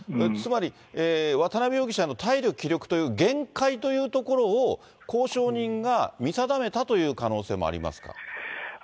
つまり渡辺容疑者の体力、気力という限界というところを、交渉人が見定めたという可能性もありますか。